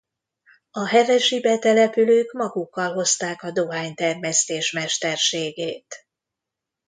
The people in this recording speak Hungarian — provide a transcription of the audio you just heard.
A hevesi betelepülők magukkal hozták a dohánytermesztés mesterségét.